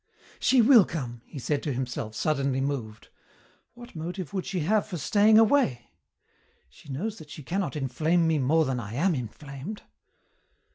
"She will come," he said to himself, suddenly moved. "What motive would she have for staying away? She knows that she cannot inflame me more than I am inflamed."